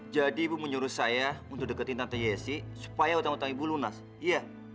jadi ibu mau nyuruh saya untuk deketin tante yesi supaya utang utang ibu lunas iya